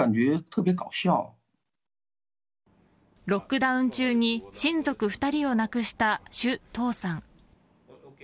ロックダウン中に親族２人を亡くした朱とうさん。